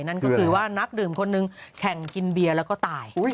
นั่นก็คือว่านักดื่มคนหนึ่งแข่งกินเบียร์แล้วก็ตาย